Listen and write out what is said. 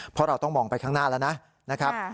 เพราะเราต้องมองไปข้างหน้าแล้วนะครับ